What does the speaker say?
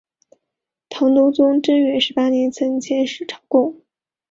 唐德宗贞元十八年曾遣使朝贡。